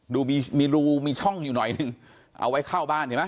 ดูมีรูมีช่องอยู่หน่อยนึงเอาไว้เข้าบ้านเห็นไหม